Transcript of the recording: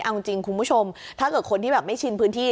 เอาจริงคุณผู้ชมถ้าเกิดคนที่แบบไม่ชินพื้นที่